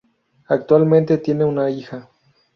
Actualmente tiene una hija.